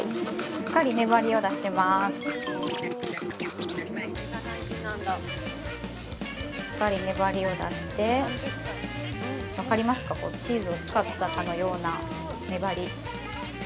しっかり粘りを出して、分かりますか、チーズを使ったかのような粘り。